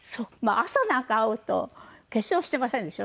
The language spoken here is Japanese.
朝なんか会うと化粧していませんでしょ。